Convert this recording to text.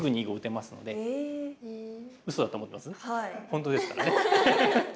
本当ですからね。